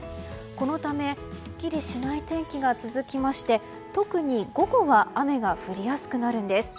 このためすっきりしない天気が続きまして特に午後は雨が降りやすくなるんです。